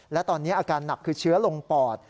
และตอนนี้อาการหนักคือเชื้อลงปอด